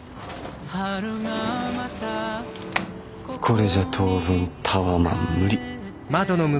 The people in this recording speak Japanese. これじゃ当分タワマン無理！